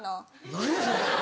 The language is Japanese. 何やそれ。